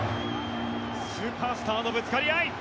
スーパースターのぶつかり合い。